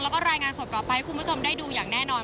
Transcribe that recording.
แล้วก็รายงานสดกลับไปให้คุณผู้ชมได้ดูอย่างแน่นอน